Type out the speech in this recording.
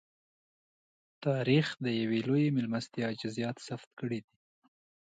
تاریخ د یوې لویې مېلمستیا جزییات ثبت کړي دي.